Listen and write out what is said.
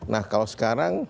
nah kalau sekarang